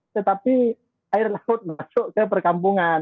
tetapi air laut masuk ke perkampungan